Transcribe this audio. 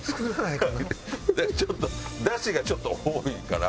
いやちょっとだしがちょっと多いから。